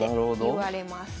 いわれます。